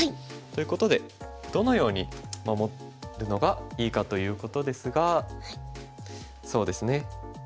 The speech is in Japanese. ということでどのように守るのがいいかということですがそうですね。